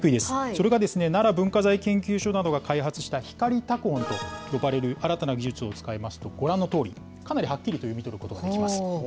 それがですね、奈良文化財研究所などが開発したひかり拓本と呼ばれる新たな技術を使いますと、ご覧のとおり、かなりはっきりと読み取ることができます。